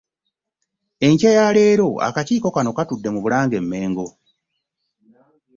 Enkya ya leero akakiiko kano katudde mu Bulange e Mmengo